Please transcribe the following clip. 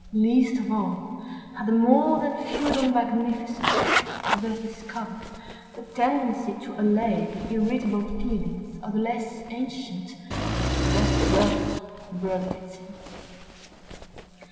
Least of all had the more than feudal magnificence, thus discovered, a tendency to allay the irritable feelings of the less ancient and less wealthy Berlifitzings.